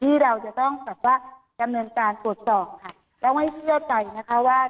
ที่เราจะต้องแบบว่าดำเนินการตรวจสอบค่ะแล้วไม่เชื่อใจนะคะว่า